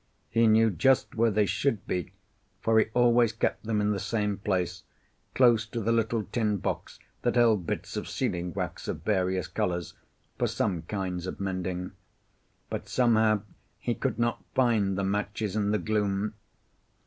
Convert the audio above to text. He knew just where they should be, for he always kept them in the same place, close to the little tin box that held bits of sealing wax of various colours, for some kinds of mending. But somehow he could not find the matches in the gloom.